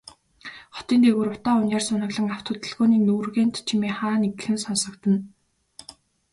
Хотын дээгүүр утаа униар суунаглан, авто хөдөлгөөний нүргээнт чимээ хаа нэгхэн сонсогдоно.